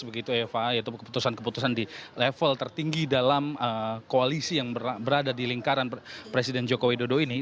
begitu eva yaitu keputusan keputusan di level tertinggi dalam koalisi yang berada di lingkaran presiden joko widodo ini